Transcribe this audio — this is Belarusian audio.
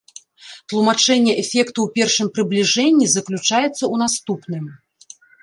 Тлумачэнне эфекту ў першым прыбліжэнні заключаецца ў наступным.